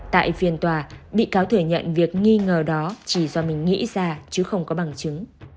tại phiên tòa bị cáo thừa nhận việc nghi ngờ đó chỉ do mình nghĩ ra chứ không có bằng chứng